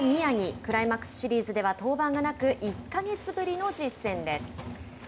クライマックスシリーズでは登板がなく１か月ぶりの実戦です。